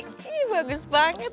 ini bagus banget